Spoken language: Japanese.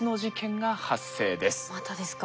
またですか。